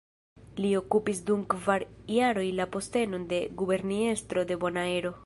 Li okupis dum kvar jaroj la postenon de Guberniestro de Bonaero.